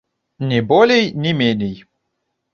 Ні болей ні меней!